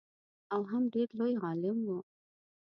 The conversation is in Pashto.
او هم ډېر لوی عالم و.